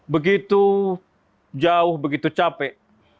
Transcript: begitu jauh begitu capek